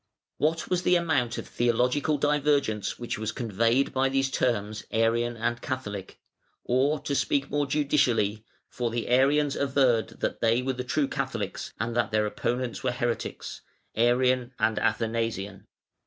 What was the amount of theological divergence which was conveyed by these terms Arian and Catholic, or to speak more judicially (for the Arians averred that they were the true Catholics and that their opponents were heretics) Arian and Athanasian?